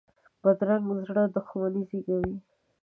بدرنګه زړه دښمني زېږوي